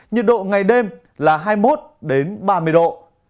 nhiệt độ ngày đêm là hai mươi một ba mươi độ